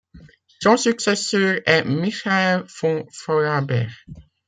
Son successeur est Michael von Faulhaber.